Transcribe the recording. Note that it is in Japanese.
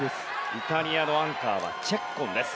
イタリアのアンカーはチェッコンです。